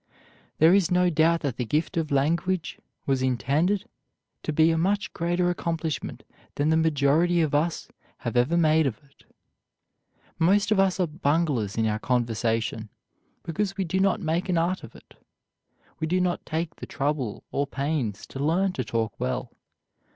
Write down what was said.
There is no doubt that the gift of language was intended to be a much greater accomplishment than the majority of us have ever made of it. Most of us are bunglers in our conversation, because we do not make an art of it; we do not take the trouble or pains to learn to talk well.